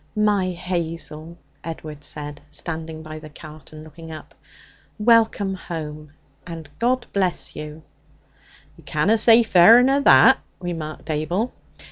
'My Hazel,' Edward said, standing by the cart and looking up, 'welcome home, and God bless you!' 'You canna say fairer nor that,' remarked Abel.